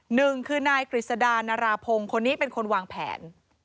หนึ่งคือนายกฤษดานาราพงศ์คนนี้เป็นคนวางแผน